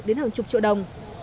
điều đến hàng chục triệu đồng